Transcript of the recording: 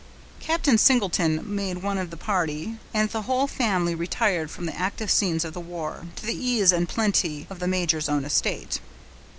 Captain Singleton made one of the party; and the whole family retired from the active scenes of the war, to the ease and plenty of the major's own estate.